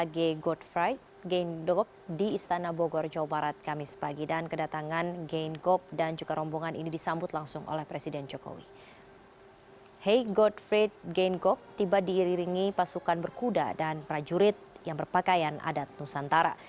hei gottfried geigob tiba diiringi pasukan berkuda dan prajurit yang berpakaian adat nusantara